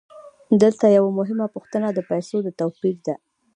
دلته یوه مهمه پوښتنه د پیسو د توپیر ده